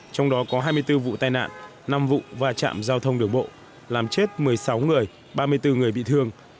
trong đó có hai mươi bốn vụ tai nạn năm vụ và chạm giao thông đường bộ làm chết một mươi sáu người ba mươi bốn người bị thương